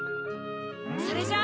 それじゃあ！